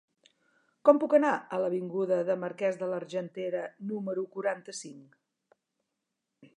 Com puc anar a l'avinguda del Marquès de l'Argentera número quaranta-cinc?